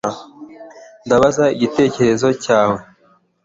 Ndabaza igitekerezo cyawe